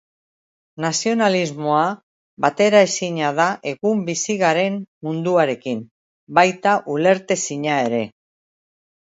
Nazionalismoa bateraezina da egun bizi garen munduarekin, baita ulertezina ere.